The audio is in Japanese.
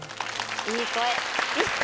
いい声！